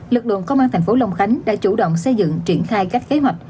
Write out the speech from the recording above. lực lượng công an thành phố long khánh đã chủ động xây dựng triển khai các kế hoạch